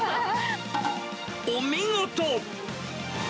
お見事。